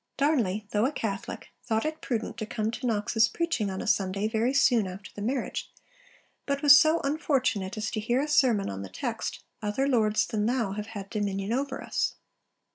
Darnley, though a Catholic, thought it prudent to come to Knox's preaching on a Sunday very soon after the marriage, but was so unfortunate as to hear a sermon on the text 'Other lords than Thou have had dominion over us.'